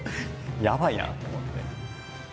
やばいなと思って。